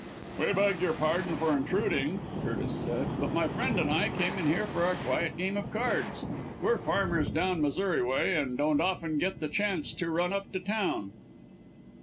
"We beg your pardon for intruding," Curtis said, "but my friend and I came in here for a quiet game of cards. We're farmers down Missouri way, and don't often get the chance to run up to town."